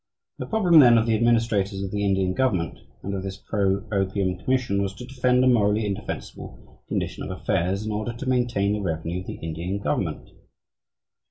The problem, then, of the administrators of the Indian government and of this pro opium commission was to defend a "morally indefensible" condition of affairs in order to maintain the revenue of the Indian government.